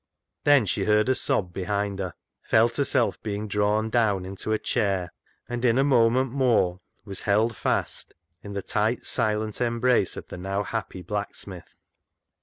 Then she heard a sob behind her, felt herself being drawn down into a chair, and in a moment more was held fast in the tight, silent embrace of the now happy blacksmith.